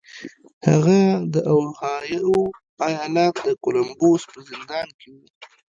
هغه د اوهايو ايالت د کولمبوس په زندان کې و.